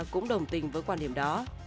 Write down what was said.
cũng đồng tình với quan điểm đó